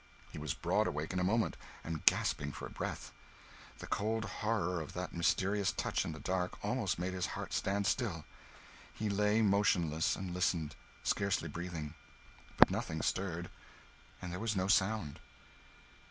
He was broad awake in a moment, and gasping for breath. The cold horror of that mysterious touch in the dark almost made his heart stand still. He lay motionless, and listened, scarcely breathing. But nothing stirred, and there was no sound.